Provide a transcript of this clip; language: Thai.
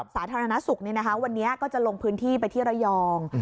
สาธารณสุขวันนี้ก็จะลงพื้นที่ไปที่ระยอง